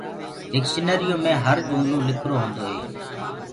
ڊڪشنٚريو مي هر جُملولکرو هونٚدوئي